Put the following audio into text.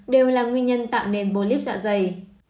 đều là nguyên nhân tạo nên polip dạ dày